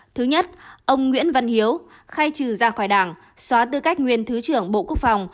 thứ nhất ông nguyễn văn hiếu khai trừ ra khỏi đảng xóa tư cách nguyên thứ trưởng bộ quốc phòng